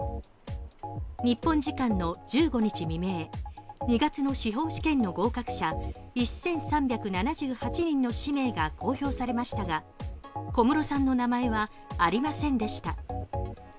日本時間の１５日未明、２月の司法試験の合格者１３７８人の氏名が公表されましたが小室さんの名前はありませんでした。